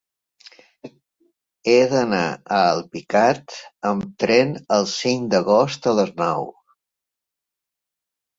He d'anar a Alpicat amb tren el cinc d'agost a les nou.